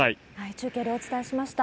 中継でお伝えしました。